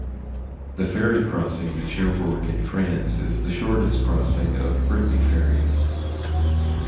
The ferry crossing to Cherbourg in France is the shortest crossing of Brittany Ferries.